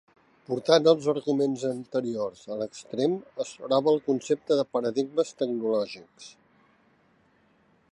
Portant els arguments anteriors a l'extrem, es troba el concepte de paradigmes tecnològics.